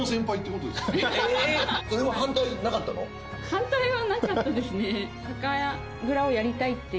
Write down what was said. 反対はなかったですね。